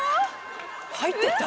入ってた。